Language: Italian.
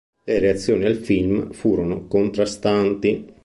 Le reazioni al film furono contrastanti.